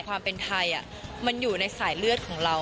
ความเป็นไทยมันอยู่ในสายเลือดของเรา